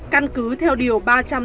căn cứ theo điều ba mươi hai